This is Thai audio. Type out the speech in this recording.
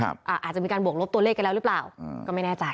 อาจจะมีการบวกลบตัวเลขกันแล้วหรือเปล่าก็ไม่แน่ใจ